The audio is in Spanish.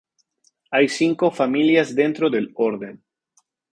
Hay cinco familias dentro del orden.